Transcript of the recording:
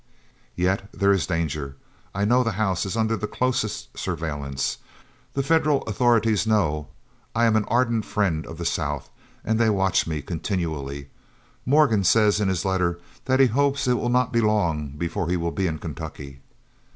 "Yet there is danger. I know the house is under the closest surveillance. The Federal authorities know I am an ardent friend of the South, and they watch me continually. Morgan says in his letter that he hopes it will not be long before he will be in Kentucky."